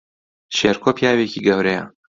شێرکۆ پیاوێکی گەورەیە